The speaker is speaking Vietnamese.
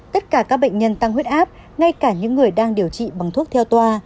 tất cả các bệnh nhân tăng huyết áp ngay cả những người đang điều trị bằng thuốc theo toa